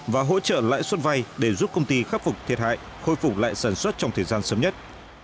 và hỗ trợ lãi suất vay để giúp công ty khắc phục thiệt hại khôi phục lại sản xuất trong thời gian sớm nhất